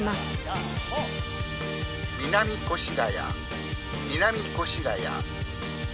「南越谷南越谷」。